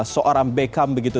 seorang beckham begitu